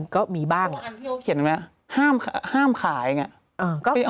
เพราะว่าอันที่เขาเขียนไงห้ามขายไง